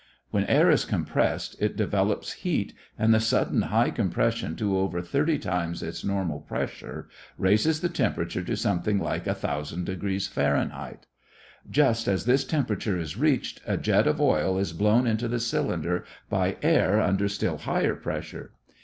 When air is compressed it develops heat and the sudden high compression to over thirty times its normal pressure raises the temperature to something like 1000 degrees Fahrenheit. Just as this temperature is reached, a jet of oil is blown into the cylinder by air under still higher pressure.